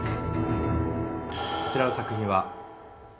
こちらの作品は。